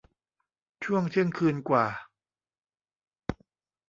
ช่วงเที่ยงคืนกว่า